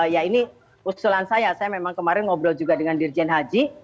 ya ini usulan saya saya memang kemarin ngobrol juga dengan dirjen haji